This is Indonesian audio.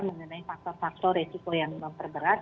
mengenai faktor faktor resiko yang memang terberat